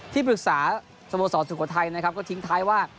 ที่ปรึกษาสมศอดินไทยก็ทิ้งท้ายว่า